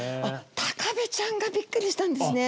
タカベちゃんがびっくりしたんですね。